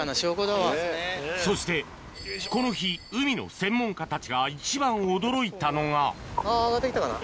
そしてこの日海の専門家たちが一番驚いたのがあ上がってきたかな？